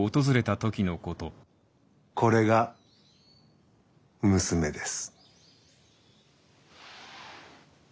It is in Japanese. これが娘です。